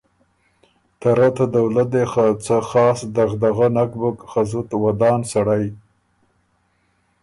ته رۀ ته دولت دې خه څه سا دغدغۀ نک بُک که زُت ودان سړئ